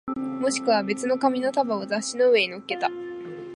もしくは別の紙の束を雑誌の上に乗っけた